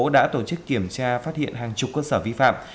để kiểm tra phát hiện hàng chục cơ sở vi phạm